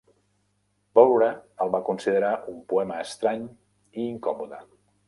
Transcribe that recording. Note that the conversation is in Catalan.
Bowra el va considerar un "poema estrany e incòmode".